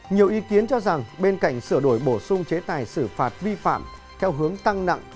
nhiều ý kiến cho rằng bên cạnh sửa đổi bổ sung chế tài xử phạt vi phạm theo hướng tăng nặng